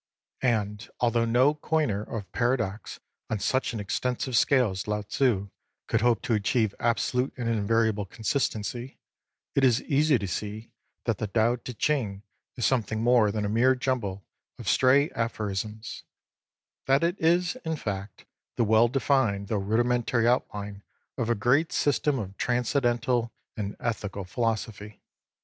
And although no coiner of paradox on such an extensive scale as Lao Tzti could hope to achieve absolute and invariable consistency, it is easy to see that the Tao Te Ching is something more than a mere jumble of stray aphorisms — that it is, in fact, the well defined though rudi mentary outline of a great system of tran scendental and ethical philosophy.